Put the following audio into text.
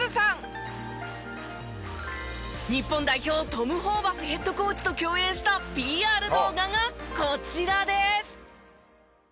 トム・ホーバスヘッドコーチと共演したＰＲ動画がこちらです。